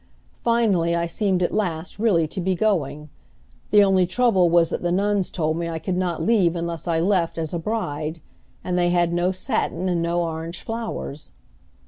Finally, I seemed at last really to be going. The only trouble was that the nuns told me I could not leave unless I left as a bride, and they had no satin and no orange flowers.